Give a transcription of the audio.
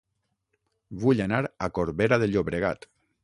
Vull anar a Corbera de Llobregat